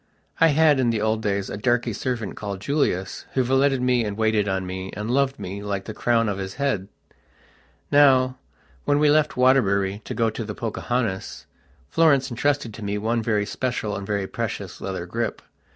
I had, in the old days, a darky servant, called Julius, who valeted me, and waited on me, and loved me, like the crown of his head. Now, when we left Waterbury to go to the "Pocahontas", Florence entrusted to me one very special and very precious leather grip.